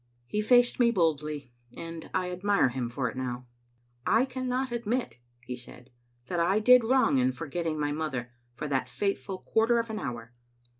He faced me boldly, and I admire him for it now. "I cannot admit," he said, "that I did wrong in for getting my mother for that fateful quarter of an hour.